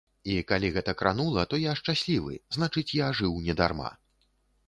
І, калі гэта кранула, то я шчаслівы, значыць я жыў не дарма.